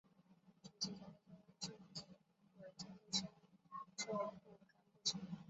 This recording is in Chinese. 随之成立中央军委政治工作部干部局。